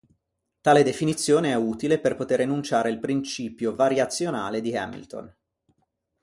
Tale definizione è utile per poter enunciare il principio variazionale di Hamilton.